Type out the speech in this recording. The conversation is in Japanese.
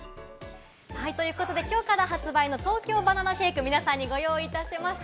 きょうから発売の東京ばな奈シェイク、皆さんにご用意いたしました。